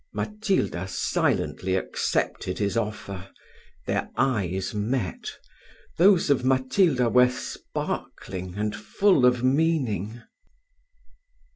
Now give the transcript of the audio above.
Matilda silently accepted his offer their eyes met those of Matilda were sparkling and full of meaning.